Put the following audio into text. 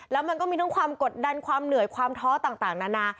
แล้วมันก็มีทั้งความกดดันความเหนื่อยความท้อต่างนานา